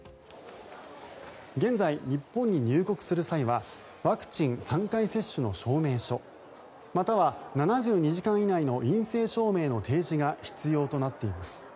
現在、日本に入国する際はワクチン３回接種の証明書または７２時間以内の陰性証明の提示が必要となっています。